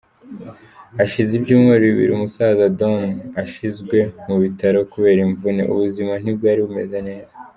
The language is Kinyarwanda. Hashize ibyumweru bibiri, umusaza Don ashyizwe mu bitaro kubera imvune, ubuzima ntibwari bumeze neza.